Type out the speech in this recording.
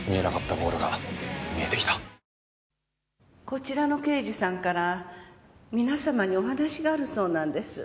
こちらの刑事さんから皆様にお話があるそうなんです。